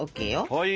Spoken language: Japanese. はい。